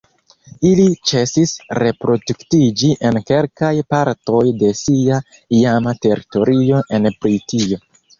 Ili ĉesis reproduktiĝi en kelkaj partoj de sia iama teritorio en Britio.